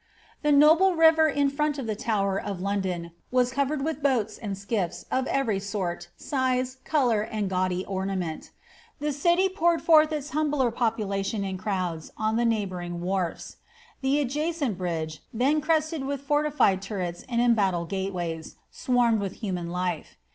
The noble river in front of the Tower of London was covered with boats and skiffs of every sort, size, colour, and gaudy ornament. The ciiy poure<! forth its humbler population in crowds on the neiglibouring wharfs. The adjacent bridge, then crested witli fortified turrets and embatded gateways, swarmed with human life.